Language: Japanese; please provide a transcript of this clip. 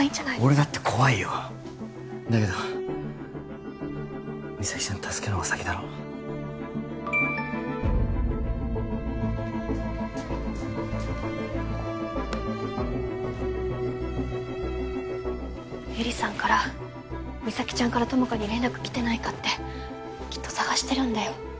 俺だって怖いよだけど実咲ちゃんを助けるほうが先だろ絵里さんから実咲ちゃんから友果に連絡来てないかってきっと捜してるんだよ